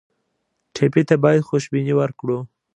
ټپي ته باید خوشبیني ورکړو.